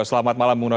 selamat malam bung roni